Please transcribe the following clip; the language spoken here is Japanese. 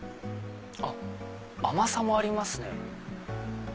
あっ甘さもありますね。